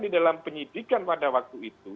di dalam penyidikan pada waktu itu